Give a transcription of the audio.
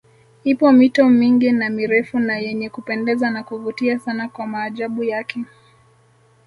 Ipo mito mingi na mirefu na yenye kupendeza na kuvutia sana kwa maajabu yake